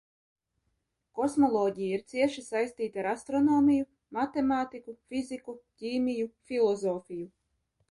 Kosmoloģija ir cieši saistīta ar astronomiju, matemātiku, fiziku, ķīmiju, filozofiju.